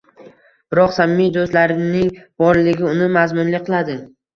biroq samimiy do‘stlarning borligi uni mazmunli qiladi.